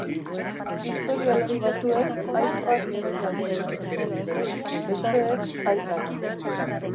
Historialari batzuek ahizpak eraila zela esaten dute, besteek, aitak.